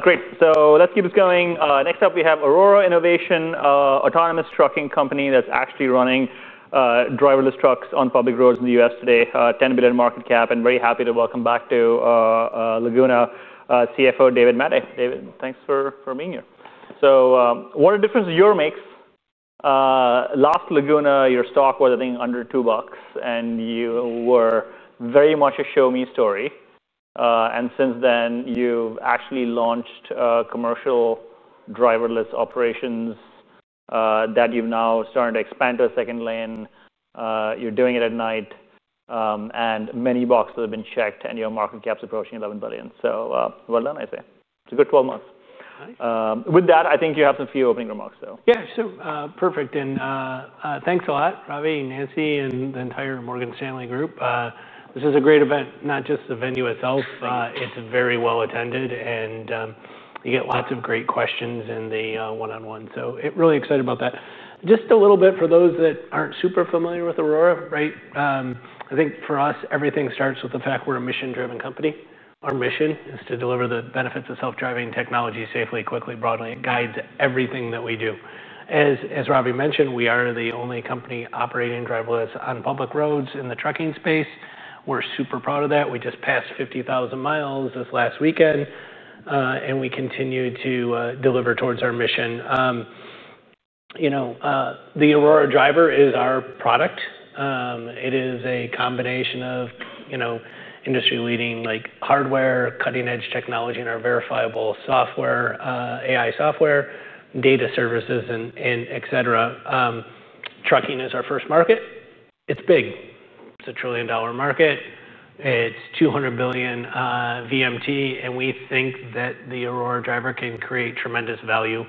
Great. Let's keep it going. Next up, we have Aurora Innovation, an autonomous trucking company that's actually running driverless trucks on public roads in the U.S. today, $10 billion market cap. I'm very happy to welcome back to Laguna CFO, David Maday. David, thanks for being here. What are the differences your makes? Last Laguna, your stock was, I think, under $2, and you were very much a show-me story. Since then, you've actually launched commercial driverless operations that you've now started to expand to a second lane. You're doing it at night. Many boxes have been checked, and your market cap is approaching $11 billion. Well done, I'd say. It's a good 12 months. Hi. With that, I think you have a few opening remarks, though. Yeah, so perfect. Thanks a lot, Ravi, Nancy, and the entire Morgan Stanley group. This is a great event, not just the venue itself. It's very well attended, and you get lots of great questions in the one-on-one. Really excited about that. Just a little bit for those that aren't super familiar with Aurora, right? I think for us, everything starts with the fact we're a mission-driven company. Our mission is to deliver the benefits of self-driving technology safely, quickly, and broadly. It guides everything that we do. As Ravi mentioned, we are the only company operating driverless on public roads in the trucking space. We're super proud of that. We just passed 50,000 miles this last weekend, and we continue to deliver towards our mission. The Aurora Driver is our product. It is a combination of industry-leading hardware, cutting-edge technology, and our verifiable software, AI-driven software, data services, et cetera. Trucking is our first market. It's big. It's a trillion-dollar market. It's 200 billion VMT, and we think that the Aurora Driver can create tremendous value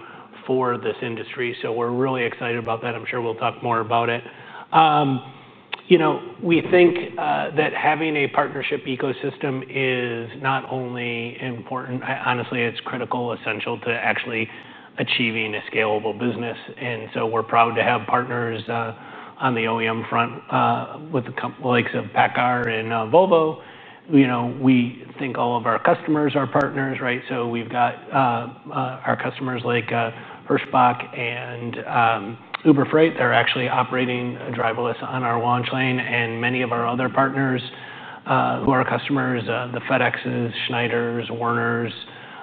for this industry. Really excited about that. I'm sure we'll talk more about it. We think that having a partnership ecosystem is not only important. Honestly, it's critical, essential to actually achieving a scalable business. We're proud to have partners on the OEM front, with the likes of PACCAR and Volvo Trucks. We think all of our customers are partners, right? We've got our customers like Hirschbach and Uber Freight. They're actually operating driverless on our launch lane, and many of our other partners who are customers, the FedEx, Schneider, Werner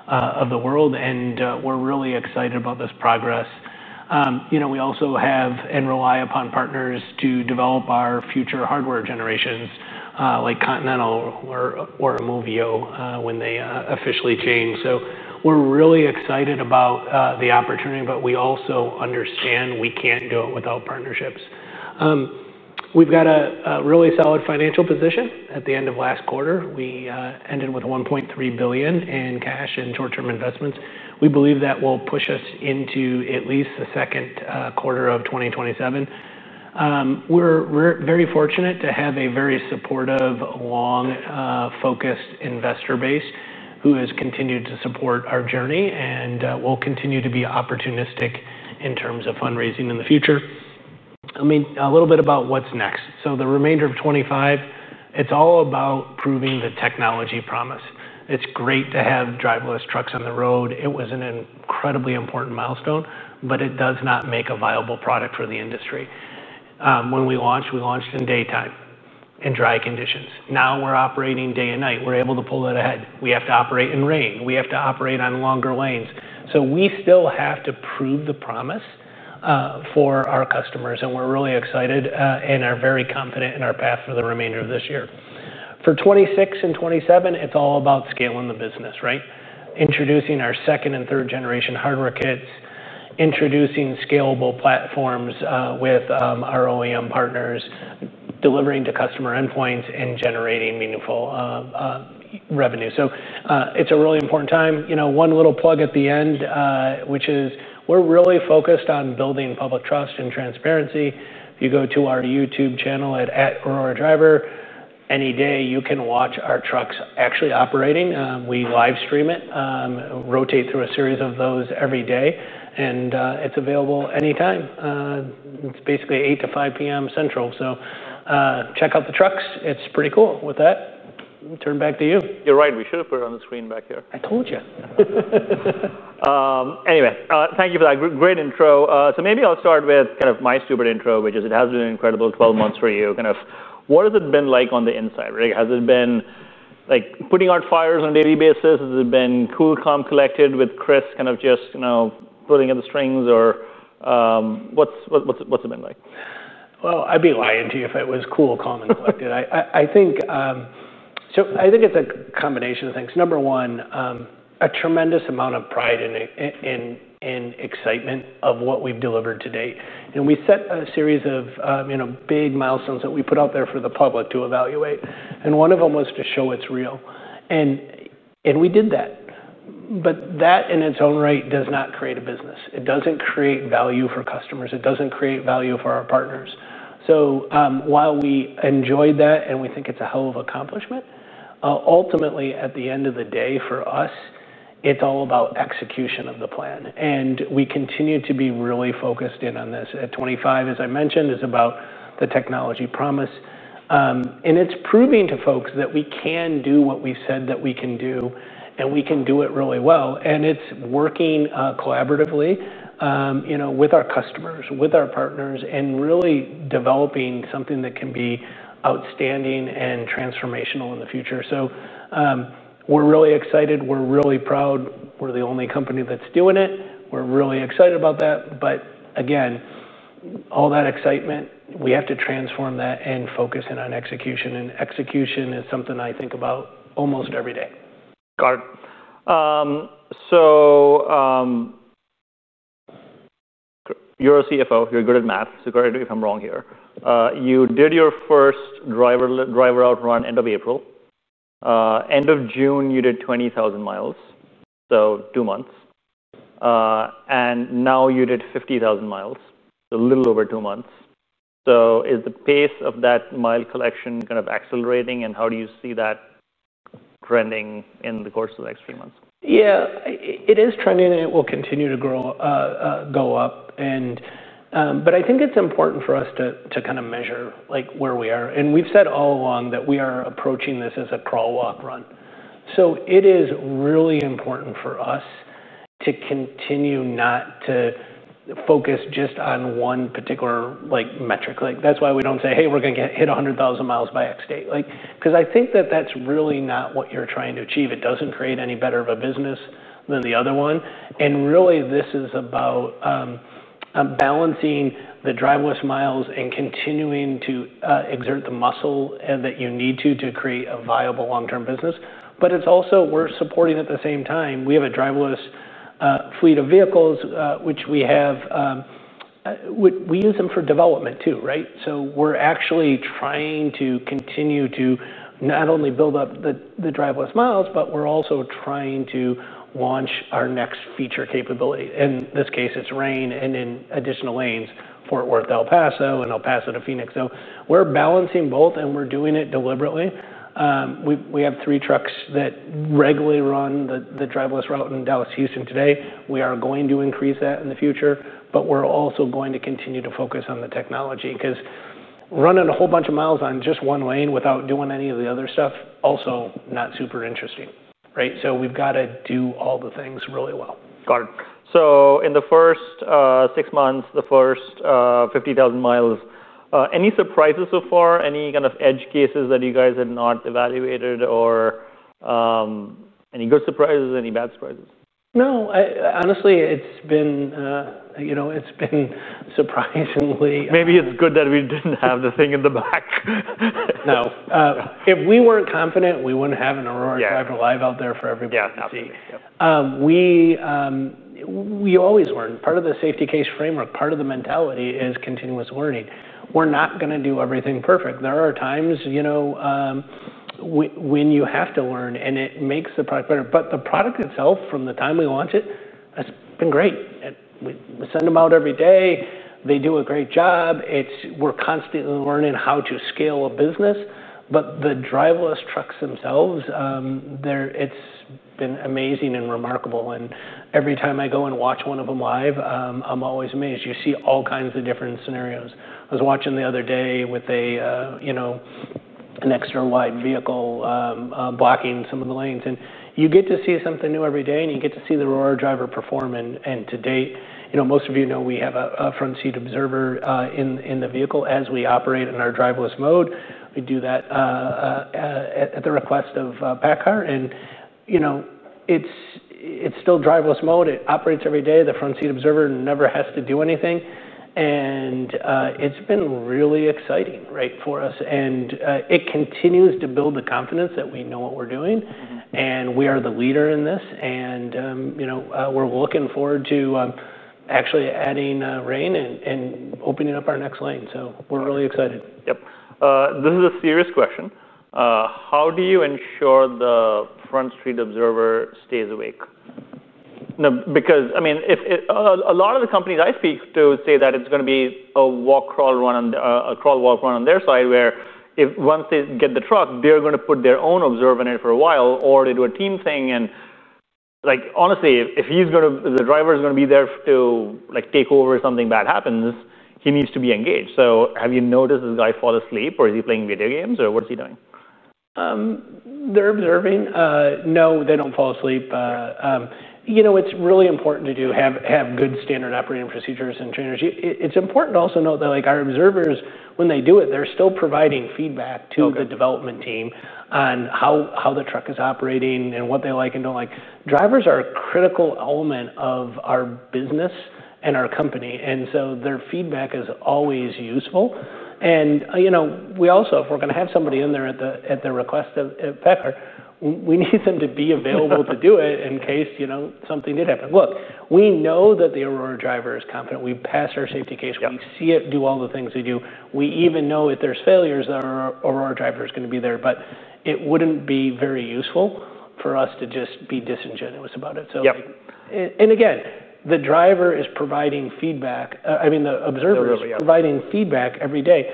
of the world. Really excited about this progress. We also have and rely upon partners to develop our future hardware generations, like Continental or Movio when they officially change. Really excited about the opportunity. We also understand we can't do it without partnerships. We've got a really solid financial position. At the end of last quarter, we ended with $1.3 billion in cash and short-term investments. We believe that will push us into at least the second quarter of 2027. We're very fortunate to have a very supportive, long-focused investor base who has continued to support our journey. We'll continue to be opportunistic in terms of fundraising in the future. A little bit about what's next. The remainder of 2025, it's all about proving the technology promise. It's great to have driverless trucks on the road. It was an incredibly important milestone, but it does not make a viable product for the industry. When we launched, we launched in daytime in dry conditions. Now we're operating day and night. We're able to pull that ahead. We have to operate in rain. We have to operate on longer lanes. We still have to prove the promise for our customers. We're really excited and are very confident in our path for the remainder of this year. For 2026 and 2027, it's all about scaling the business, right? Introducing our second and third-generation hardware kits, introducing scalable platforms with our OEM partners, delivering to customer endpoints, and generating meaningful revenue. It's a really important time. One little plug at the end, which is we're really focused on building public trust and transparency. If you go to our YouTube channel at @AuroraDriver, any day you can watch our trucks actually operating. We live stream it, rotate through a series of those every day, and it's available anytime. It's basically 8:00 A.M. to 5:00 P.M. Central. Check out the trucks. It's pretty cool. With that, turn back to you. You're right. We should have put it on the screen back here. I told you. Thank you for that great intro. Maybe I'll start with kind of my stupid intro, which is it has been an incredible 12 months for you. What has it been like on the inside? Has it been like putting out fires on a daily basis? Has it been cool, calm, collected with Chris kind of just pulling at the strings? What's it been like? I'd be lying to you if it was cool, calm, and collected. I think it's a combination of things. Number one, a tremendous amount of pride and excitement of what we've delivered to date. We set a series of big milestones that we put out there for the public to evaluate, and one of them was to show it's real. We did that. That, in its own right, does not create a business. It doesn't create value for customers. It doesn't create value for our partners. While we enjoyed that and we think it's a hell of an accomplishment, ultimately, at the end of the day, for us, it's all about execution of the plan. We continue to be really focused in on this. At 2025, as I mentioned, it's about the technology promise, and it's proving to folks that we can do what we've said that we can do. We can do it really well. It's working collaboratively with our customers, with our partners, and really developing something that can be outstanding and transformational in the future. We're really excited. We're really proud. We're the only company that's doing it. We're really excited about that. All that excitement, we have to transform that and focus in on execution. Execution is something I think about almost every day. Got it. You're a CFO. You're good at math. Correct me if I'm wrong here. You did your first driver-out run end of April. End of June, you did 20,000 miles, so two months. Now you did 50,000 miles, so a little over two months. Is the pace of that mile collection kind of accelerating? How do you see that trending in the course of the next few months? Yeah, it is trending, and it will continue to go up. I think it's important for us to kind of measure where we are. We've said all along that we are approaching this as a crawl-walk-run. It is really important for us to continue not to focus just on one particular metric. That's why we don't say, hey, we're going to hit 100,000 miles by X date. I think that that's really not what you're trying to achieve. It doesn't create any better of a business than the other one. This is about balancing the driverless miles and continuing to exert the muscle that you need to create a viable long-term business. We're supporting at the same time, we have a driverless fleet of vehicles, which we have. We use them for development, too, right? We're actually trying to continue to not only build up the driverless miles, but we're also trying to launch our next feature capability. In this case, it's rain and in additional lanes, Fort Worth to El Paso and El Paso to Phoenix. We're balancing both, and we're doing it deliberately. We have three trucks that regularly run the driverless route in Dallas and Houston today. We are going to increase that in the future. We're also going to continue to focus on the technology. Running a whole bunch of miles on just one lane without doing any of the other stuff, also not super interesting, right? We've got to do all the things really well. Got it. In the first six months, the first 50,000 miles, any surprises so far? Any kind of edge cases that you guys had not evaluated? Any good surprises, any bad surprises? No. Honestly, it's been surprising. Maybe it's good that we didn't have the thing in the back. No. If we weren't confident, we wouldn't have an Aurora Driver Live out there for everybody. Yeah, absolutely. We always learn. Part of the safety case framework, part of the mentality is continuous learning. We're not going to do everything perfect. There are times when you have to learn. It makes the product better. The product itself, from the time we launched it, has been great. We send them out every day. They do a great job. We're constantly learning how to scale a business. The driverless trucks themselves, it's been amazing and remarkable. Every time I go and watch one of them live, I'm always amazed. You see all kinds of different scenarios. I was watching the other day with an extra-wide vehicle blocking some of the lanes. You get to see something new every day. You get to see the Aurora Driver perform. To date, most of you know we have a front-seat observer in the vehicle as we operate in our driverless mode. We do that at the request of PACCAR. It's still driverless mode. It operates every day. The front-seat observer never has to do anything. It's been really exciting for us. It continues to build the confidence that we know what we're doing. We are the leader in this. We're looking forward to actually adding rain and opening up our next lane. We're really excited. Yep. This is a serious question. How do you ensure the front-seat observer stays awake? Because, I mean, a lot of the companies I speak to say that it's going to be a crawl-walk-run on their side, where once they get the truck, they're going to put their own observer in it for a while, or they do a team thing. Honestly, if the driver is going to be there to take over if something bad happens, he needs to be engaged. Have you noticed this guy fall asleep? Is he playing video games? What's he doing? They're observing. No, they don't fall asleep. It's really important to have good standard operating procedures and trainers. It's important to also note that our observers, when they do it, they're still providing feedback to the development team on how the truck is operating and what they like and don't like. Drivers are a critical element of our business and our company, and their feedback is always useful. If we're going to have somebody in there at the request of PACCAR, we need them to be available to do it in case something did happen. Look, we know that the Aurora Driver is confident. We passed our safety case. We see it do all the things they do. We even know if there's failures, that our Aurora Driver is going to be there. It wouldn't be very useful for us to just be disingenuous about it. Again, the driver is providing feedback. I mean, the observer is providing feedback every day.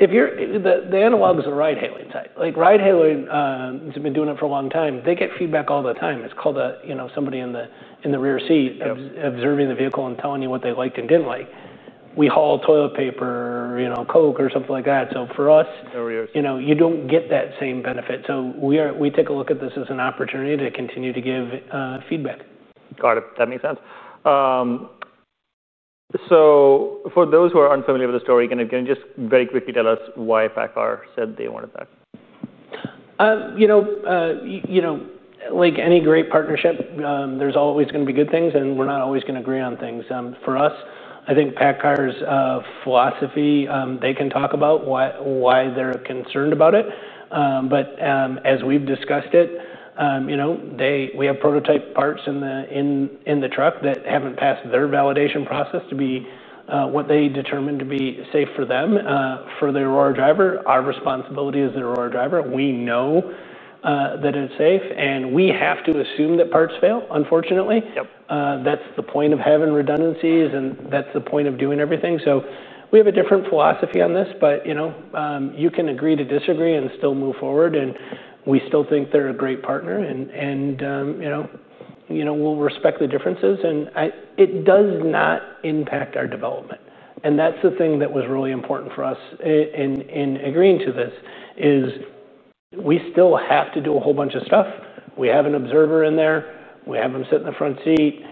The analog is the ride-hailing type. Ride-hailing has been doing it for a long time. They get feedback all the time. It's called somebody in the rear seat observing the vehicle and telling you what they liked and didn't like. We haul toilet paper, Coke, or something like that. For us, you don't get that same benefit. We take a look at this as an opportunity to continue to give feedback. Got it. That makes sense. For those who are unfamiliar with the story, can you just very quickly tell us why PACCAR said they wanted that? Like any great partnership, there's always going to be good things. We're not always going to agree on things. For us, I think PACCAR's philosophy, they can talk about why they're concerned about it. As we've discussed it, we have prototype parts in the truck that haven't passed their validation process to be what they determine to be safe for them. For the Aurora Driver, our responsibility as the Aurora Driver, we know that it's safe. We have to assume that parts fail, unfortunately. That's the point of having redundancies. That's the point of doing everything. We have a different philosophy on this. You can agree to disagree and still move forward. We still think they're a great partner. We'll respect the differences. It does not impact our development. That's the thing that was really important for us in agreeing to this, is we still have to do a whole bunch of stuff. We have an observer in there. We have them sit in the front seat,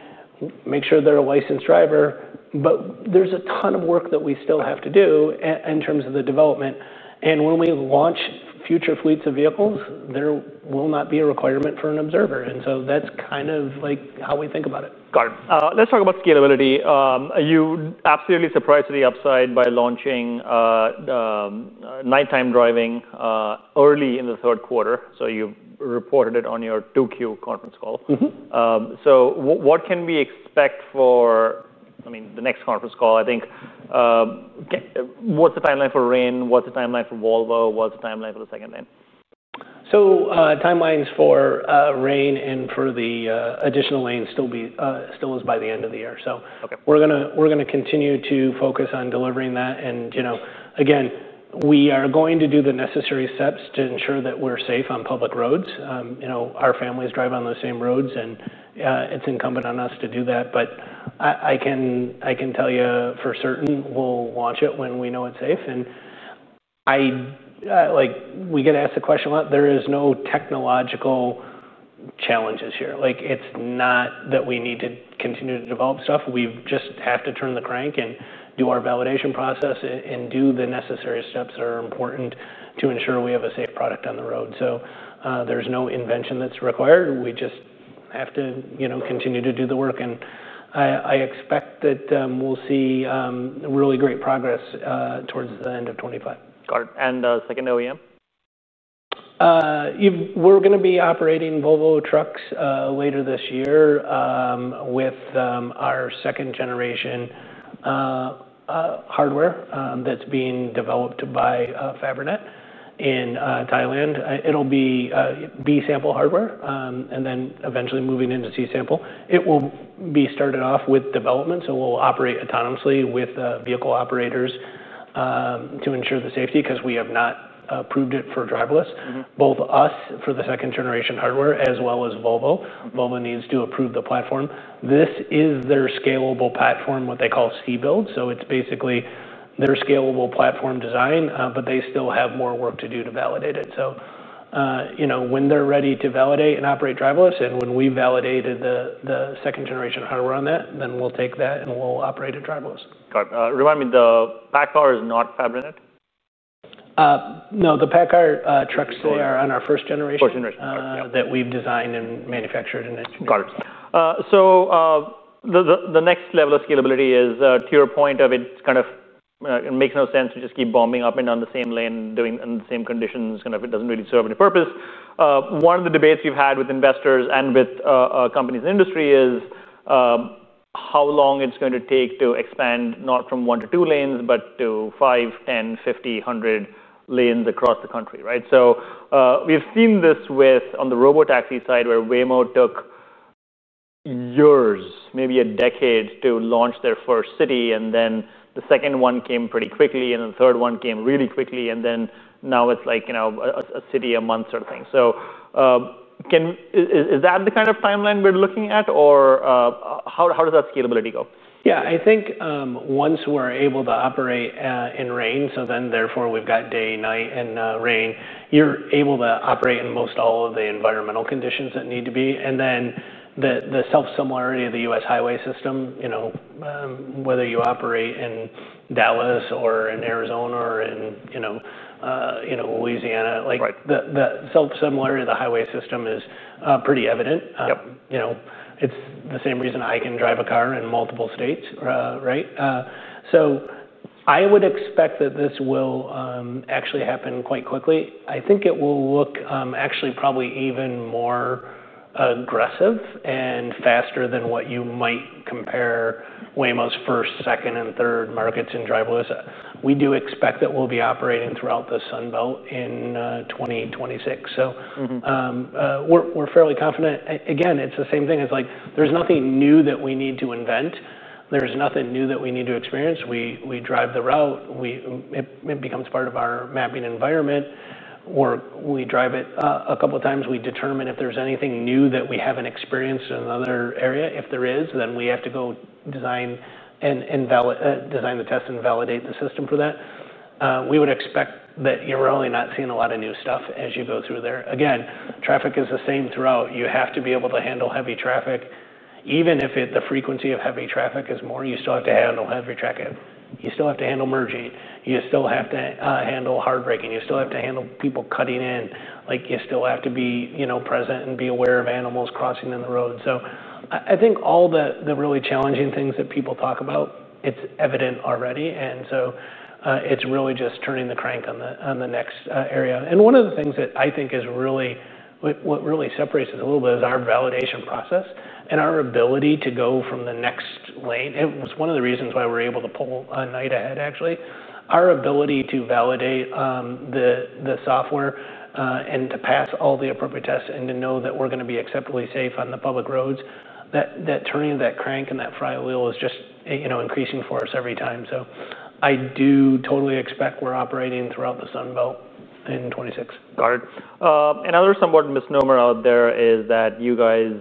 make sure they're a licensed driver. There's a ton of work that we still have to do in terms of the development. When we launch future fleets of vehicles, there will not be a requirement for an observer. That's kind of how we think about it. Got it. Let's talk about scalability. Are you absolutely surprised to the upside by launching nighttime driving early in the third quarter? You reported it on your 2Q conference call. What can we expect for, I mean, the next conference call? I think what's the timeline for rain? What's the timeline for Volvo? What's the timeline for the second lane? Timelines for rain and for the additional lanes still is by the end of the year. We are going to continue to focus on delivering that. Again, we are going to do the necessary steps to ensure that we're safe on public roads. Our families drive on those same roads, and it's incumbent on us to do that. I can tell you for certain, we'll launch it when we know it's safe. We get asked the question a lot. There are no technological challenges here. It's not that we need to continue to develop stuff. We just have to turn the crank and do our validation process and do the necessary steps that are important to ensure we have a safe product on the road. There's no invention that's required. We just have to continue to do the work. I expect that we'll see really great progress towards the end of 2025. Got it. The second OEM? We're going to be operating Volvo Trucks later this year with our second-generation hardware that's being developed by Fabrinet in Thailand. It'll be B-sample hardware, and then eventually moving into C-sample. It will be started off with development. We'll operate autonomously with vehicle operators to ensure the safety, because we have not approved it for driverless. Both us for the second-generation hardware, as well as Volvo. Volvo needs to approve the platform. This is their scalable platform, what they call C-Build. It's basically their scalable platform design. They still have more work to do to validate it. When they're ready to validate and operate driverless, and when we've validated the second-generation hardware on that, we'll take that and we'll operate it driverless. Got it. Remind me, the PACCAR is not Fabrinet? No, the PACCAR trucks, they are on our first generation. First generation. That we've designed and manufactured. Got it. The next level of scalability is, to your point, it kind of makes no sense to just keep bombing up and down the same lane and doing it in the same conditions. It doesn't really serve any purpose. One of the debates we've had with investors and with companies in the industry is how long it's going to take to expand, not from one to two lanes, but to 5, 10, 50, 100 lanes across the country, right? We've seen this on the robotaxi side, where Waymo took years, maybe decades, to launch their first city. The second one came pretty quickly. The third one came really quickly. Now it's like a city a month sort of thing. Is that the kind of timeline we're looking at? How does that scalability go? Yeah, I think once we're able to operate in rain, so then therefore we've got day, night, and rain, you're able to operate in most all of the environmental conditions that need to be. The self-similarity of the U.S. highway system, whether you operate in Dallas or in Arizona or in Louisiana, the self-similarity of the highway system is pretty evident. It's the same reason I can drive a car in multiple states, right? I would expect that this will actually happen quite quickly. I think it will look actually probably even more aggressive and faster than what you might compare Waymo's first, second, and third markets in driverless. We do expect that we'll be operating throughout the Sun Belt in 2026. We're fairly confident. Again, it's the same thing. There's nothing new that we need to invent. There's nothing new that we need to experience. We drive the route. It becomes part of our mapping environment. Or we drive it a couple of times. We determine if there's anything new that we haven't experienced in another area. If there is, then we have to go design the test and validate the system for that. We would expect that you're really not seeing a lot of new stuff as you go through there. Traffic is the same throughout. You have to be able to handle heavy traffic. Even if the frequency of heavy traffic is more, you still have to handle heavy traffic. You still have to handle merging. You still have to handle hard braking. You still have to handle people cutting in. You still have to be present and be aware of animals crossing in the road. I think all the really challenging things that people talk about, it's evident already. It's really just turning the crank on the next area. One of the things that I think is really what really separates it a little bit is our validation process and our ability to go from the next lane. It was one of the reasons why we were able to pull a night ahead, actually. Our ability to validate the software and to pass all the appropriate tests and to know that we're going to be acceptably safe on the public roads, that turning that crank and that flywheel is just increasing for us every time. I do totally expect we're operating throughout the Sun Belt in 2026. Got it. Another somewhat misnomer out there is that you guys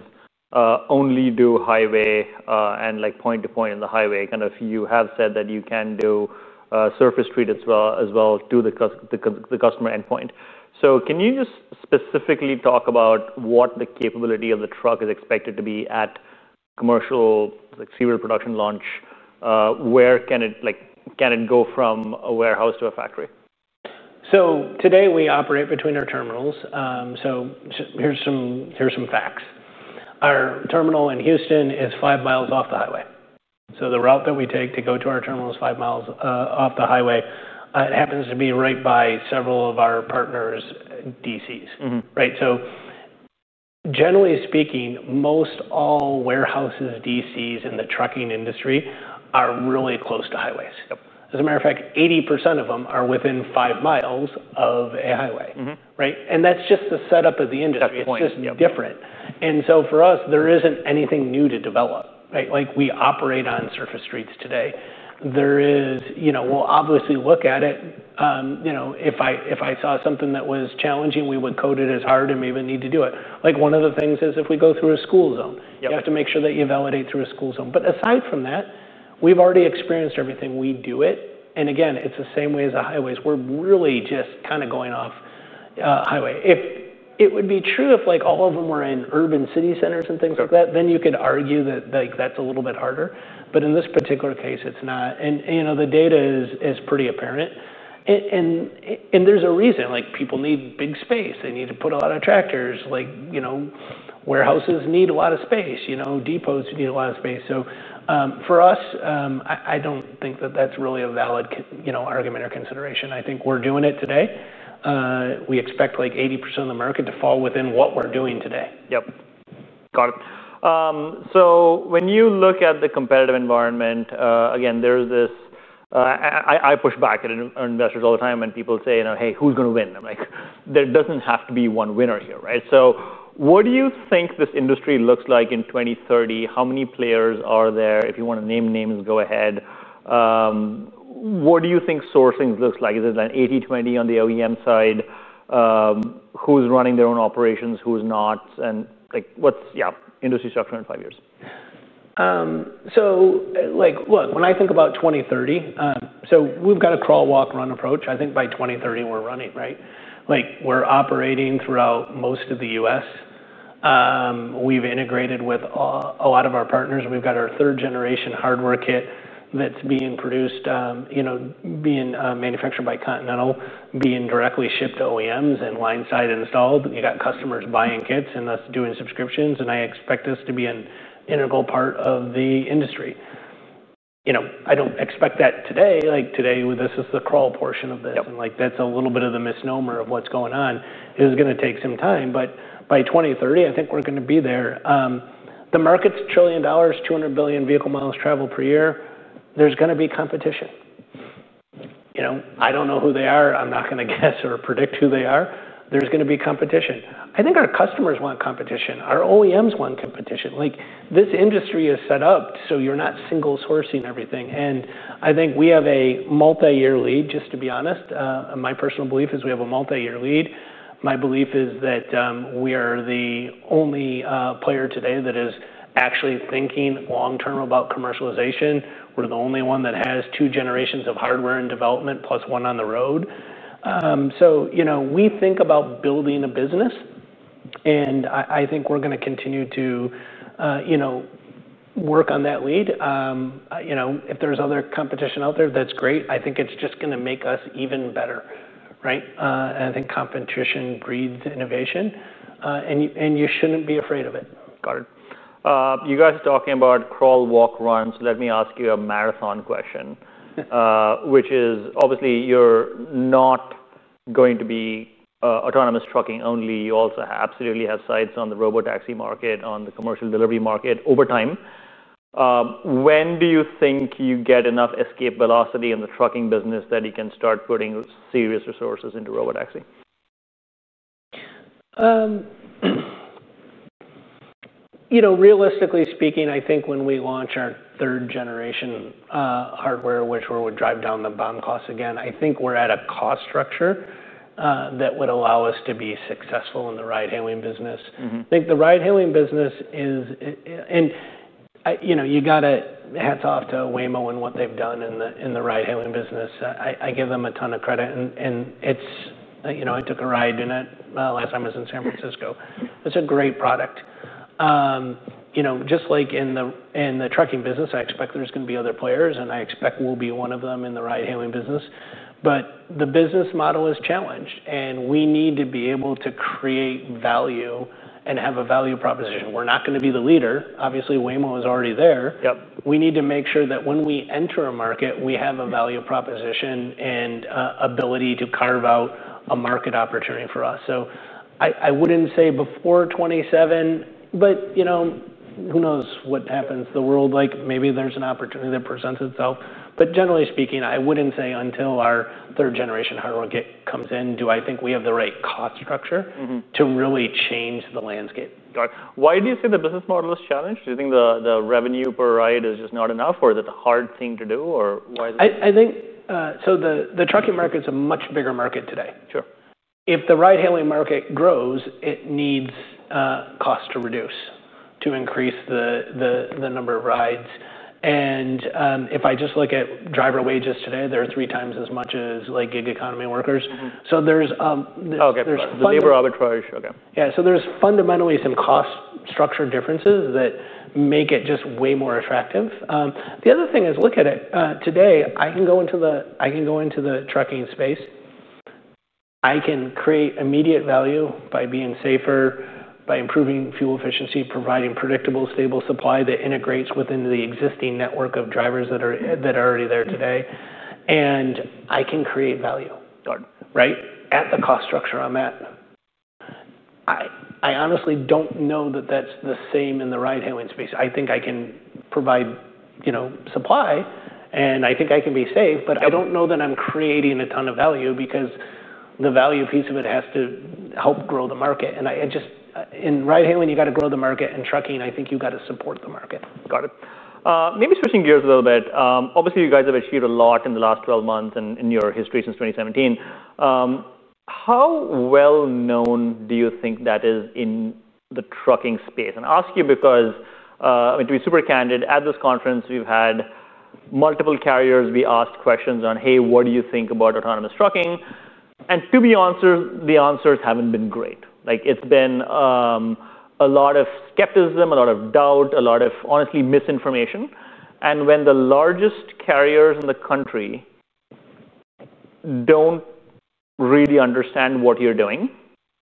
only do highway and point-to-point in the highway. You have said that you can do surface street as well to the customer endpoint. Can you just specifically talk about what the capability of the truck is expected to be at commercial serial production launch? Where can it go from a warehouse to a factory? Today we operate between our terminals. Here are some facts. Our terminal in Houston is five miles off the highway. The route that we take to go to our terminal is five miles off the highway. It happens to be right by several of our partners' DCs. Generally speaking, most all warehouses' DCs in the trucking industry are really close to highways. As a matter of fact, 80% of them are within five miles of a highway. That's just the setup of the industry. That's the point. It's just different. For us, there isn't anything new to develop. We operate on surface streets today. We'll obviously look at it. If I saw something that was challenging, we would code it as hard and we would need to do it. One of the things is if we go through a school zone, you have to make sure that you validate through a school zone. Aside from that, we've already experienced everything. We do it. It's the same way as the highways. We're really just kind of going off highway. It would be true if all of them were in urban city centers and things like that. You could argue that that's a little bit harder. In this particular case, it's not. The data is pretty apparent. There's a reason. People need big space. They need to put a lot of tractors. Warehouses need a lot of space. Depots need a lot of space. For us, I don't think that that's really a valid argument or consideration. I think we're doing it today. We expect 80% of the market to fall within what we're doing today. Got it. When you look at the competitive environment, there's this—I push back on investors all the time when people say, hey, who's going to win? I'm like, there doesn't have to be one winner here, right? What do you think this industry looks like in 2030? How many players are there? If you want to name names, go ahead. What do you think sourcing looks like? Is it an 80/20 on the OEM side? Who's running their own operations? Who's not? What's industry structure in five years? When I think about 2030, we've got a crawl-walk-run approach. I think by 2030, we're running, right? We're operating throughout most of the U.S. We've integrated with a lot of our partners. We've got our third-generation hardware kit that's being produced, being manufactured by Continental, being directly shipped to OEMs and line-side installed. You've got customers buying kits and us doing subscriptions. I expect this to be an integral part of the industry. I don't expect that today. Today, this is the crawl portion of this, and that's a little bit of the misnomer of what's going on. It is going to take some time. By 2030, I think we're going to be there. The market's trillion dollars, $200 billion vehicle miles traveled per year. There's going to be competition. I don't know who they are. I'm not going to guess or predict who they are. There's going to be competition. I think our customers want competition. Our OEMs want competition. This industry is set up so you're not single-sourcing everything. I think we have a multi-year lead, just to be honest. My personal belief is we have a multi-year lead. My belief is that we are the only player today that is actually thinking long-term about commercialization. We're the only one that has two generations of hardware in development plus one on the road. We think about building a business, and I think we're going to continue to work on that lead. If there's other competition out there, that's great. I think it's just going to make us even better. I think competition breeds innovation, and you shouldn't be afraid of it. Got it. You guys are talking about crawl-walk-run. Let me ask you a marathon question, which is obviously you're not going to be autonomous trucking only. You also absolutely have sights on the robotaxi market, on the commercial delivery market over time. When do you think you get enough escape velocity in the trucking business that you can start putting serious resources into robotaxi? Realistically speaking, I think when we launch our third-generation hardware, which would drive down the bound costs again, I think we're at a cost structure that would allow us to be successful in the ride-hailing business. I think the ride-hailing business is, and you've got to hats off to Waymo and what they've done in the ride-hailing business. I give them a ton of credit. It took a ride doing that last time I was in San Francisco. It's a great product. Just like in the trucking business, I expect there's going to be other players. I expect we'll be one of them in the ride-hailing business. The business model is challenged. We need to be able to create value and have a value proposition. We're not going to be the leader. Obviously, Waymo is already there. We need to make sure that when we enter a market, we have a value proposition and ability to carve out a market opportunity for us. I wouldn't say before 2027, but you know who knows what happens to the world. Maybe there's an opportunity that presents itself. Generally speaking, I wouldn't say until our third-generation hardware kit comes in, do I think we have the right cost structure to really change the landscape. Got it. Why do you say the business model is challenged? Do you think the revenue per ride is just not enough? Is it a hard thing to do? Why is it? I think the trucking market is a much bigger market today. True. If the ride-hailing market grows, it needs costs to reduce to increase the number of rides. If I just look at driver wages today, they're three times as much as gig economy workers. OK, for the labor arbitrage. OK. Yeah, so there's fundamentally some cost structure differences that make it just way more attractive. The other thing is, look at it. Today, I can go into the trucking space. I can create immediate value by being safer, by improving fuel efficiency, providing predictable, stable supply that integrates within the existing network of drivers that are already there today. I can create value, right, at the cost structure I'm at. I honestly don't know that that's the same in the ride-hailing space. I think I can provide supply, and I think I can be safe. I don't know that I'm creating a ton of value, because the value piece of it has to help grow the market. In ride-hailing, you've got to grow the market. In trucking, I think you've got to support the market. Got it. Maybe switching gears a little bit, obviously, you guys have achieved a lot in the last 12 months in your history since 2017. How well known do you think that is in the trucking space? I ask you because, I mean, to be super candid, at this conference, we've had multiple carriers. We asked questions on, hey, what do you think about autonomous trucking? To be honest, the answers haven't been great. It's been a lot of skepticism, a lot of doubt, a lot of honestly misinformation. When the largest carriers in the country don't really understand what you're doing,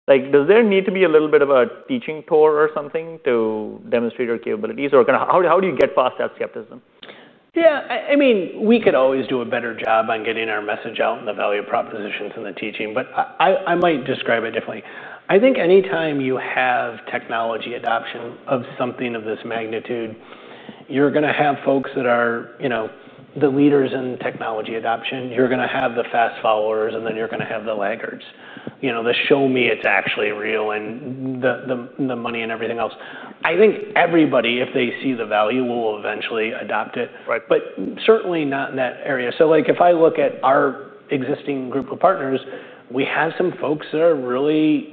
does there need to be a little bit of a teaching tour or something to demonstrate your capabilities? How do you get past that skepticism? Yeah, I mean, we could always do a better job on getting our message out and the value propositions and the teaching. I might describe it differently. I think any time you have technology adoption of something of this magnitude, you're going to have folks that are the leaders in technology adoption. You're going to have the fast followers. Then you're going to have the laggards, the show me it's actually real and the money and everything else. I think everybody, if they see the value, will eventually adopt it. Certainly not in that area. If I look at our existing group of partners, we have some folks that are really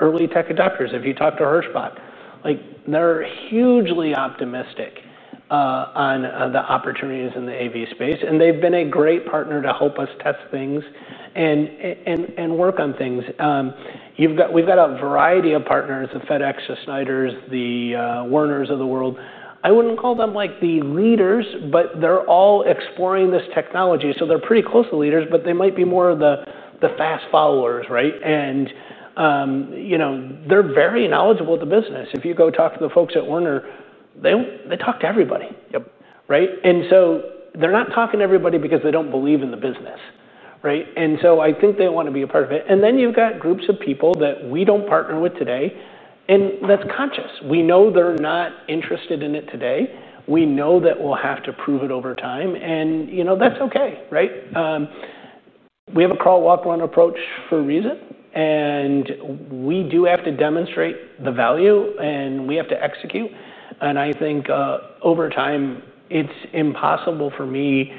early tech adopters. If you talk to Hirschbach, they're hugely optimistic on the opportunities in the AV space. They've been a great partner to help us test things and work on things. We've got a variety of partners, the FedEx, the Schneider, the Werner of the world. I wouldn't call them like the leaders. They're all exploring this technology. They're pretty close to leaders. They might be more of the fast followers, right? They're very knowledgeable of the business. If you go talk to the folks at Werner, they talk to everybody. Yep. Right? They're not talking to everybody because they don't believe in the business, right? I think they want to be a part of it. Then you've got groups of people that we don't partner with today. That's conscious. We know they're not interested in it today. We know that we'll have to prove it over time. That's OK, right? We have a crawl-walk-run approach for a reason. We do have to demonstrate the value, and we have to execute. I think over time, it's impossible for me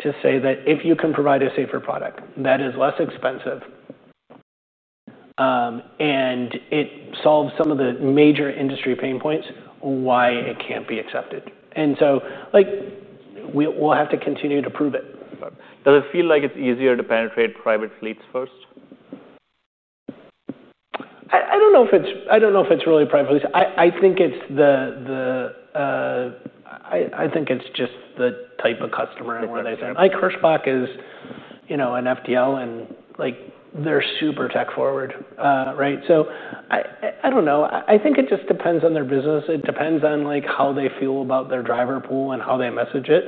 to say that if you can provide a safer product that is less expensive and it solves some of the major industry pain points, why it can't be accepted. We'll have to continue to prove it. Does it feel like it's easier to penetrate private fleets first? I don't know if it's really private fleets. I think it's just the type of customer and what they think. Hirschbach is an FTL, and they're super tech-forward, right? I don't know. I think it just depends on their business. It depends on how they feel about their driver pool and how they message it.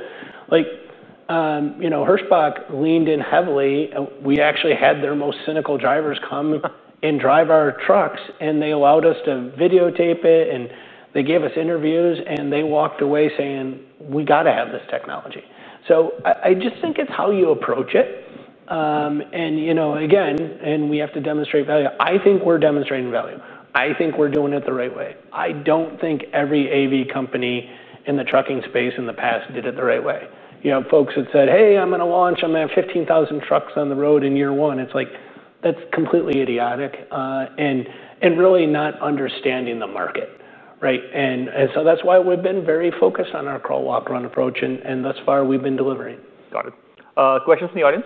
Hirschbach leaned in heavily. We actually had their most cynical drivers come and drive our trucks. They allowed us to videotape it, and they gave us interviews. They walked away saying, we've got to have this technology. I just think it's how you approach it. We have to demonstrate value. I think we're demonstrating value. I think we're doing it the right way. I don't think every AV company in the trucking space in the past did it the right way. Folks had said, hey, I'm going to launch, I'm going to have 15,000 trucks on the road in year one. It's like that's completely idiotic and really not understanding the market, right? That's why we've been very focused on our crawl-walk-run approach. Thus far, we've been delivering. Got it. Questions from the audience?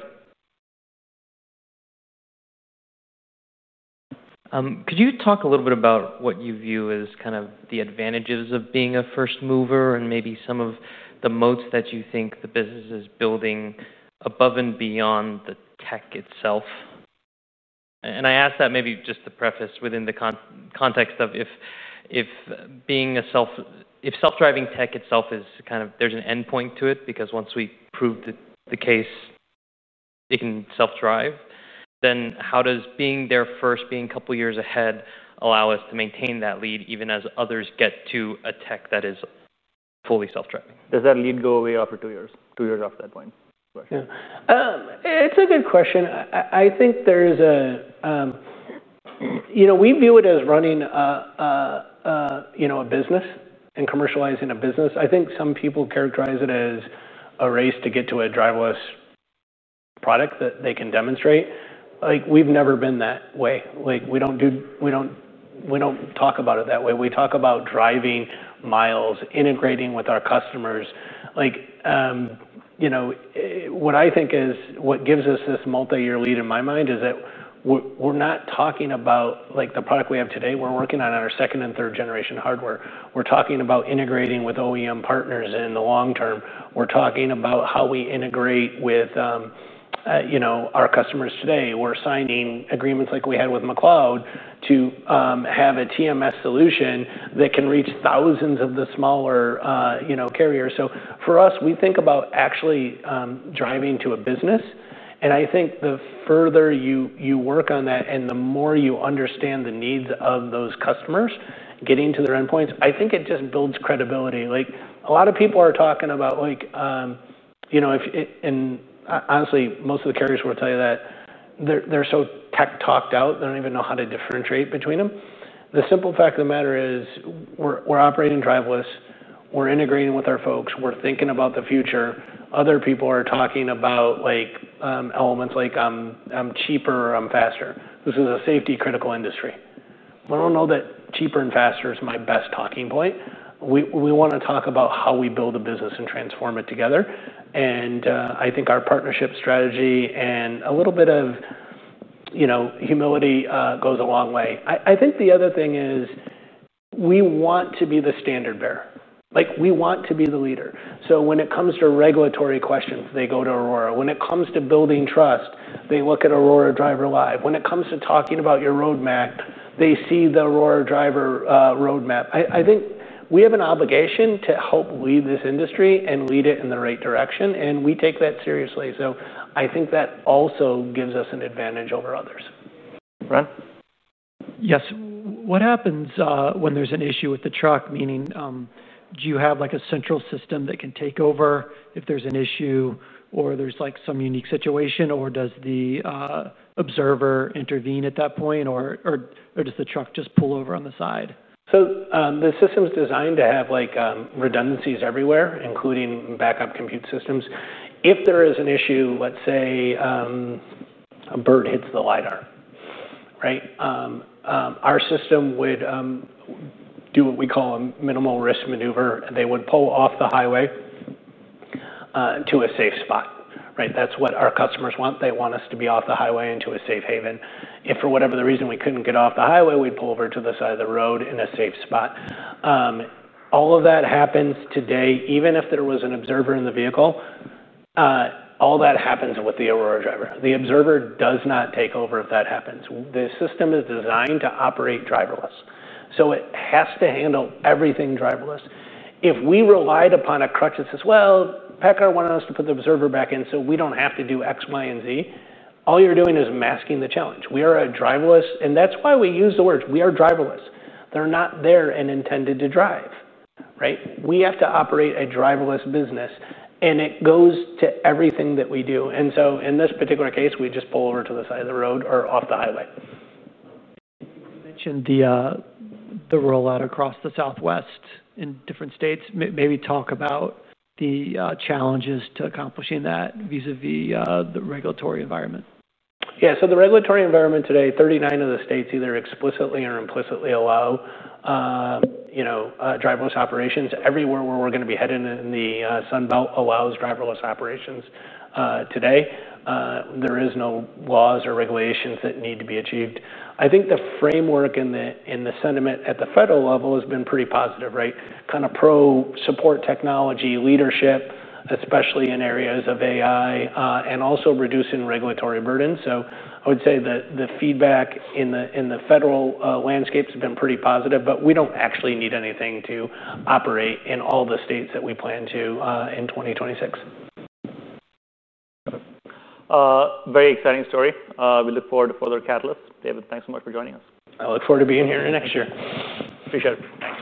Could you talk a little bit about what you view as kind of the advantages of being a first mover and maybe some of the moats that you think the business is building above and beyond the tech itself? I ask that maybe just to preface within the context of if self-driving tech itself is kind of there's an endpoint to it. Because once we prove the case it can self-drive, then how does being there first, being a couple of years ahead, allow us to maintain that lead even as others get to a tech that is fully self-driving? Does that lead go away after two years, two years after that point? It's a good question. I think we view it as running a business and commercializing a business. I think some people characterize it as a race to get to a driverless product that they can demonstrate. We've never been that way. We don't talk about it that way. We talk about driving miles, integrating with our customers. What I think is what gives us this multi-year lead in my mind is that we're not talking about the product we have today. We're working on our second and third-generation hardware. We're talking about integrating with OEM partners in the long term. We're talking about how we integrate with our customers today. We're signing agreements like we had with McLeod to have a TMS solution that can reach thousands of the smaller carriers. For us, we think about actually driving to a business. I think the further you work on that and the more you understand the needs of those customers, getting to their endpoints, I think it just builds credibility. A lot of people are talking about, and honestly, most of the carriers will tell you that they're so tech-talked out, they don't even know how to differentiate between them. The simple fact of the matter is we're operating driverless. We're integrating with our folks. We're thinking about the future. Other people are talking about elements like I'm cheaper or I'm faster. This is a safety-critical industry. I don't know that cheaper and faster is my best talking point. We want to talk about how we build a business and transform it together. I think our partnership strategy and a little bit of humility goes a long way. I think the other thing is we want to be the standard bearer. We want to be the leader. When it comes to regulatory questions, they go to Aurora. When it comes to building trust, they look at Aurora Driver Live. When it comes to talking about your roadmap, they see the Aurora Driver roadmap. I think we have an obligation to help lead this industry and lead it in the right direction. We take that seriously. I think that also gives us an advantage over others. Right. Yes. What happens when there's an issue with the truck? Meaning, do you have a central system that can take over if there's an issue or there's some unique situation? Does the observer intervene at that point? Does the truck just pull over on the side? The system is designed to have redundancies everywhere, including backup compute systems. If there is an issue, let's say a bird hits the lidar, our system would do what we call a minimal risk maneuver, and it would pull off the highway to a safe spot. That's what our customers want. They want us to be off the highway into a safe haven. If for whatever reason we couldn't get off the highway, we'd pull over to the side of the road in a safe spot. All of that happens today, even if there was an observer in the vehicle. All that happens with the Aurora Driver. The observer does not take over if that happens. The system is designed to operate driverless. It has to handle everything driverless. If we relied upon a crutch that says, Paccar wanted us to put the observer back in so we don't have to do X, Y, and Z, all you're doing is masking the challenge. We are driverless, and that's why we use the words, we are driverless. They're not there and intended to drive. We have to operate a driverless business. It goes to everything that we do. In this particular case, we just pull over to the side of the road or off the highway. You mentioned the rollout across the Southwest in different states. Maybe talk about the challenges to accomplishing that vis-à-vis the regulatory environment. Yeah, so the regulatory environment today, 39 of the states either explicitly or implicitly allow driverless operations. Everywhere where we're going to be headed in the Sun Belt allows driverless operations today. There are no laws or regulations that need to be achieved. I think the framework and the sentiment at the federal level has been pretty positive, kind of pro-support technology leadership, especially in areas of AI and also reducing regulatory burden. I would say that the feedback in the federal landscape has been pretty positive. We don't actually need anything to operate in all the states that we plan to in 2026. Very exciting story. We look forward to further catalysts. David, thanks so much for joining us. I look forward to being here next year. Appreciate it. Thanks.